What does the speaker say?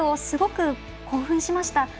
すごく興奮しました。